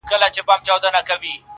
له رمباړو له زګېروي څخه سو ستړی،